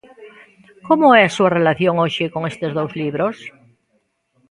Como é a súa relación hoxe con estes dous libros?